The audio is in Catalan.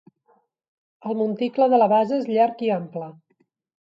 El monticle de la base és llarg i ample.